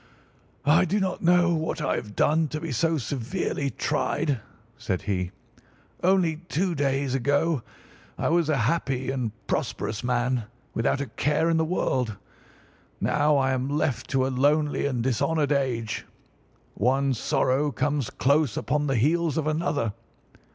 "I do not know what I have done to be so severely tried," said he. "Only two days ago I was a happy and prosperous man, without a care in the world. Now I am left to a lonely and dishonoured age. One sorrow comes close upon the heels of another.